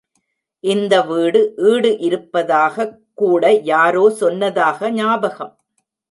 இந்த வீடு ஈடு இருப்பதாகக் கூட யாரோ சொன்னதாக ஞாபகம்.